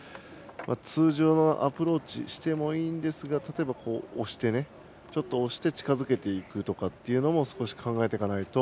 通常のアプローチをしてもいいですが例えばちょっと押して近づけていくというのも少し考えていかないと。